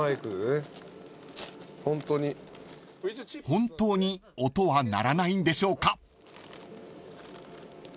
［本当に音は鳴らないんでしょうか］